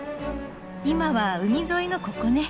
今は海沿いのここね。